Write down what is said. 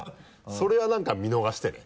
それはなんか見逃してね？